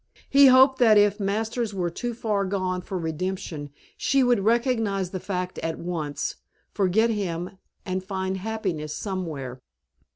He hoped that if Masters were too far gone for redemption she would recognize the fact at once, forget him, and find happiness somewhere.